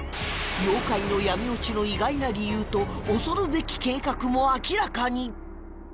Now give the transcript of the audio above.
妖怪の闇落ちの意外な理由と恐るべき計画も明らかに！